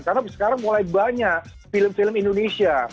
karena sekarang mulai banyak film film indonesia